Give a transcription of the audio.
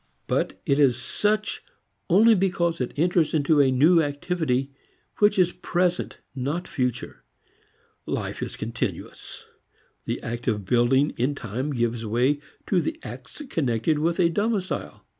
But it is such only because it enters into a new activity which is present not future. Life is continuous. The act of building in time gives way to the acts connected with a domicile.